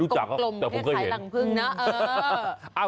จะเป็นกลมถ่ายหลังพึงนะ